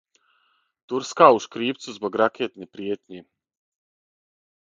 Турска у шкрипцу због ракетне пријетње